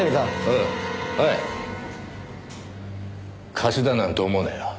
貸しだなんて思うなよ。